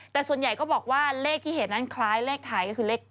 แต่ส่วนใหญ่ก็บอกว่าเลขที่เห็นนั้นคล้ายเลขไทยก็คือเลข๙